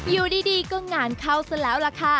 อยู่ดีก็งานเข้าซะแล้วล่ะค่ะ